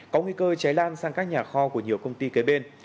có nguy cơ cháy lan sang các nhà kho của nhiều công ty kế bên